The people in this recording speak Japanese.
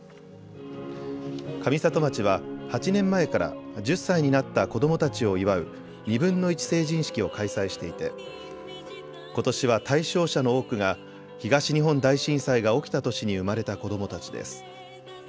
上里町は８年前から１０歳になった子どもたちを祝う二分の一成人式を開催していてことしは対象者の多くが東日本大震災が起きた年に生まれた子どもたちです。